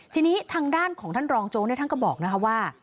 ทีนี้ทางด้านของท่านรองโจ๊กท่านก็บอกนะคะว่า